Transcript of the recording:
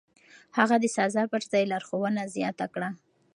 هغه د سزا پر ځای لارښوونه زياته کړه.